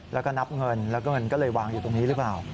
แล้วก็นับเงินแล้วก็เงินก็เลยวางอยู่ตรงนี้หรือเปล่า